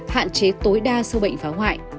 hạn chế tối đa sâu bệnh phá hoại